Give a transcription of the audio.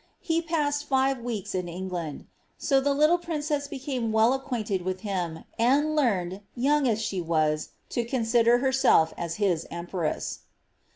He passed five weeks in England ; so the little princess became well acquainted with him, and learned, young as she was, to consider herself as his empress.